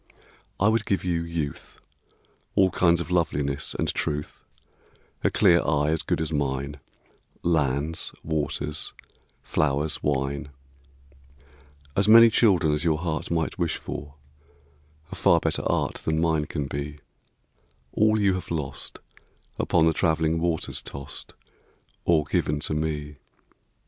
I would give you youth, All kinds of loveliness and truth, A clear eye as good as mine, Lands, waters, flowers, wine, As many children as your heart Might wish for, a far better art Than mine can be, all you have lost Upon the travelling waters tossed, Or given to me.